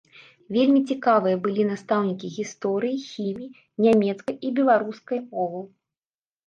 Вельмі цікавыя былі настаўнікі гісторыі, хіміі, нямецкай і беларускай моваў.